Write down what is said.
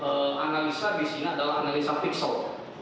pergerakan eh pergeseran sesuatu itu mengakibatkan adanya pergeseran piksel